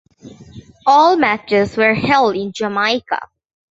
All matches were held in Jamaica.